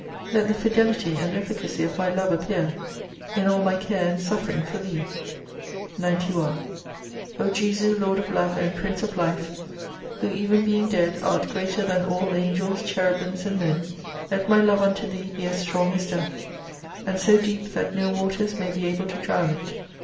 Let the fidelity and efficacy of my love appear, in all my care and suffering for Thee, 91 O Jesu, Lord of Love and Prince of Life ! who even being dead, art greater than all angels, cherubims and men, let my love unto Thee be as strong as Death : and so deep that no waters may be able to drown it.